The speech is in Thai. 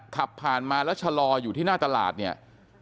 ขับผ่านมาแล้วชะลออยู่ที่หน้าตลาดเนี่ย